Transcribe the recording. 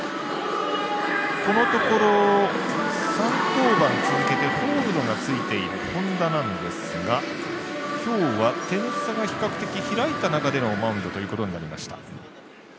このところ、３投番続けてホールドがついている本田なんですが今日は点差が比較的開いた中での登板となりました。